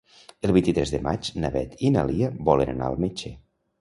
El vint-i-tres de maig na Beth i na Lia volen anar al metge.